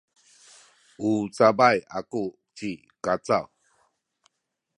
u cabay aku ci Kacaw.